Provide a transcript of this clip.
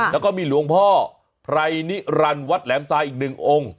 แล้วก็มีหลวงพ่อไพรนิรันดิวัดแหลมทรายอีกหนึ่งองค์